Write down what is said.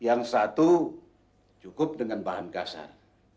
yang satu cukup dengan bahan kasar